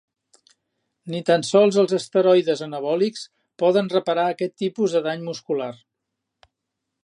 Ni tan sols els esteroides anabòlics poden reparar aquest tipus de dany muscular.